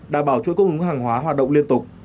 đảm bảo chuỗi cung ứng hàng hóa hoạt động liên tục